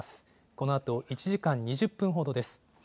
このあと１時間２０分ほどです。